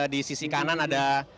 di sisi kanan ada